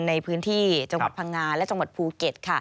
ในพื้นที่จังหวัดพังงาและจังหวัดภูเก็ต